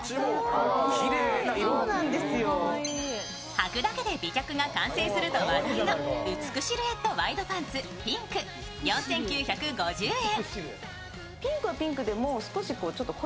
はくだけで美脚が完成すると話題のウツクシルエットワイドパンツピンク、４９５０円。